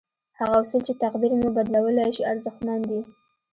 هغه اصول چې تقدير مو بدلولای شي ارزښتمن دي.